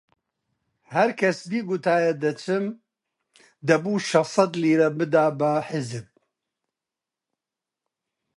هەر کەس بیگوتایە دەچم، دەبوو شەشسەد لیرە بدا بە حیزب